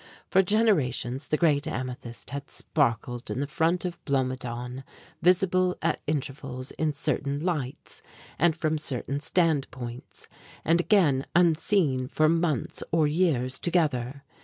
For generations the great amethyst had sparkled in the front of Blomidon, visible at intervals in certain lights and from certain standpoints, and again unseen for months or years together.